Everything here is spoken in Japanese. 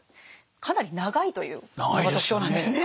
かなり長いというのが特徴なんですね。